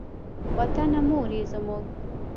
وطنه مور یې زموږ.